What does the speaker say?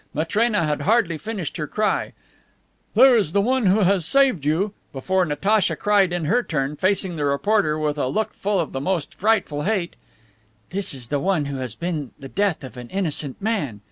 Matrena had hardly finished her cry, "There is the one who has saved you," before Natacha cried in her turn, facing the reporter with a look full of the most frightful hate, "There is the one who has been the death of an innocent man!"